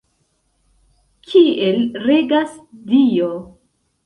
Kiel regas Dio?